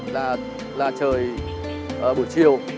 là trời buổi chiều